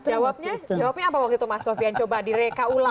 jawabnya jawabnya apa waktu itu mas sofian coba direka ulang